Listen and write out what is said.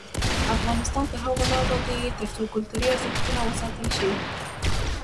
افغانستان تر هغو نه ابادیږي، ترڅو کلتوري ارزښتونه وساتل شي.